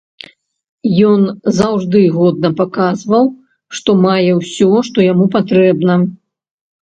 Ён заўжды годна паказваў, што мае ўсё, што яму патрэбна.